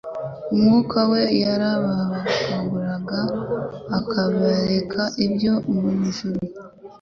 Umwuka we yarabakanguraga akabereka ibyo mu ijuru.